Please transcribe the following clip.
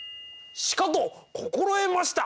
しかと心得ました！